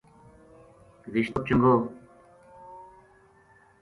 رشتو چنگو